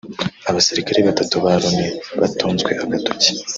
Abasirikare batatu ba Loni batunzwe agatoki